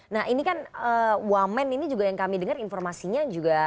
nah ini kan wamen ini juga yang kami dengar informasinya juga